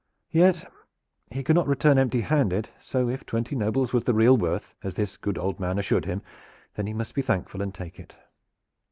Yet he could not return empty handed, so if twenty nobles was the real worth, as this good old man assured him, then he must be thankful and take it.